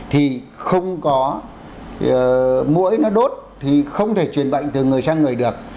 thì không có mũi nó đốt thì không thể truyền bệnh từ người sang người được